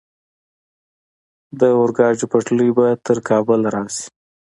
د اورګاډي پټلۍ به تر کابل راشي؟